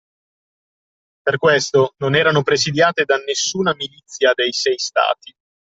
Per questo, non erano presidiate da nessuna milizia dei sei stati